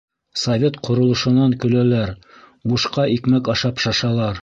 Совет ҡоролошонан көләләр, бушҡа икмәк ашап шашалар...